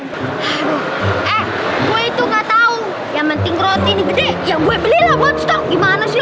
eh gue itu gak tau yang penting roti ini gede ya gue beli lah buat stok gimana sih